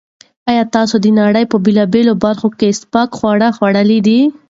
ایا تاسو د نړۍ په بېلابېلو برخو کې سپک خواړه خوړلي دي؟